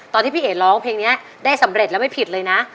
พี่เอ๋ร้องเพลงนี้ได้สำเร็จแล้วไม่ผิดเลยนะ